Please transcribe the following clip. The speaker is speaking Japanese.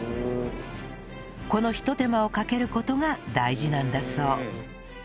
このひと手間をかける事が大事なんだそう